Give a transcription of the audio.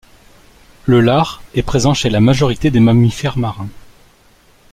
Le lard est présent chez la majorité des mammifères marins.